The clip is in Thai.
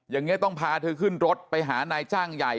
อย่างนี้ต้องพาเธอขึ้นรถไปหานายจ้างใหญ่